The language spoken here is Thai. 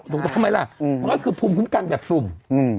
ถูกต้องไหมล่ะมันก็คือภูมิคุ้มกันแบบกลุ่ม